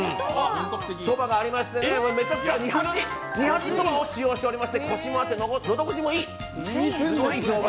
そばがありまして二八そばを使用しておりましてコシがあって、のど越しも良い！